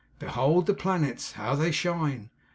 'Behold the planets, how they shine!